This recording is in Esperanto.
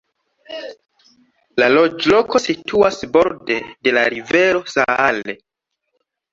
La loĝloko situas borde de la rivero Saale.